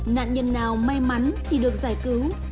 nạn nhân nào may mắn thì được giải cứu